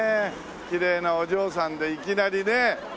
きれいなお嬢さんでいきなりね。